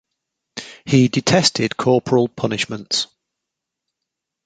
He detested corporal punishments.